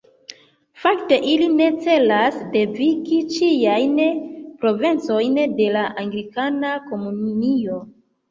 Fakte ili ne celas devigi ĉiujn provincojn de la Anglikana Komunio.